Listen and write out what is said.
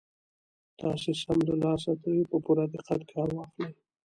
تاسې سم له لاسه ترې په پوره دقت کار واخلئ.